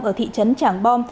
ở thị trấn trảng bom